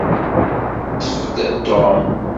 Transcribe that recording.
Ṭṭef-d Tom.